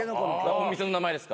お店の名前ですか？